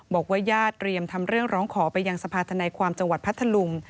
บอกว่าญาติเตรียมทำเรื่องร้องขอไปยังสภาธนายความจังหวัดพัทธลุง